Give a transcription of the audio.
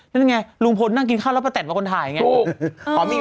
นั่นไงลุงพลนั่งกินข้าวแล้วประแต่นมาคนถ่ายอย่างนี้